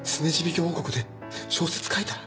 共和国で小説書いたら？